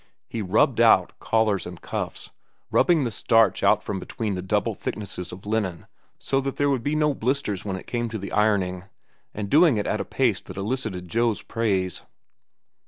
He "rubbed out" collars and cuffs, rubbing the starch out from between the double thicknesses of linen so that there would be no blisters when it came to the ironing, and doing it at a pace that elicited Joe's praise.